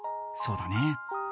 そうだね。